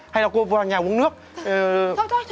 hay là cô vừa vào nhà uống nước